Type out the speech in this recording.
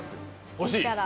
欲しい？